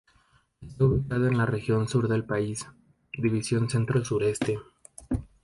Está ubicado en la región Sur del país, división Centro Sureste.